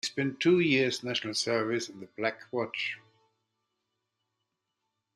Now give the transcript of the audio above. He spent two years national service in the Black Watch.